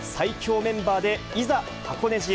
最強メンバーでいざ箱根路へ。